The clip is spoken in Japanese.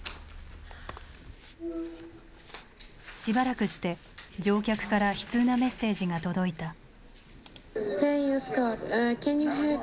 しばらくして乗客から悲痛なメッセージが届いた。